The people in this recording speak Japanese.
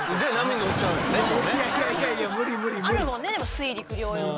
あるもんねでも水陸両用のね。